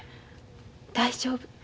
大丈夫。